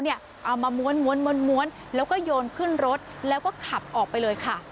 เอามาม้วนแล้วก็โยนขึ้นรถแล้วก็ขับออกไปเลยค่ะ